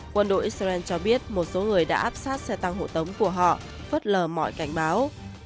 quân đội israel cho biết một số người đã áp sát xe tăng hộ tống của họ phớt lờ mọi cảnh báo